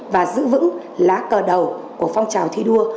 và giữ vững lá cờ đầu của phong trào thi đua